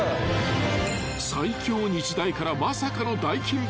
［最強日大からまさかの大金星］